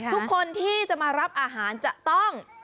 ทุกคนที่จะมารับอาหารจะต้อง